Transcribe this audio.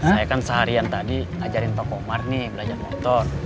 saya kan seharian tadi ajarin pak omar nih belajar motor